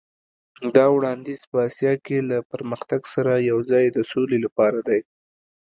دا وړاندیز په اسیا کې له پرمختګ سره یو ځای د سولې لپاره دی.